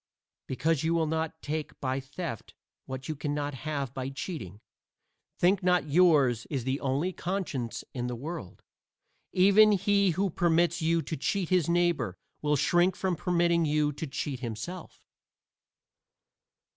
Because you will not take by theft what you can have by cheating, think not yours is the only conscience in the world. Even he who permits you to cheat his neighbor will shrink from permitting you to cheat himself.